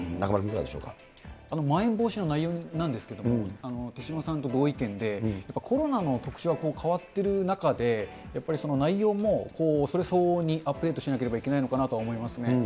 まん延防止の内容なんですけれども、手嶋さんと同意見で、コロナの特徴が変わっている中で、やっぱりその内容もそれ相応にアップデートしなければいけないのかなとは思いますね。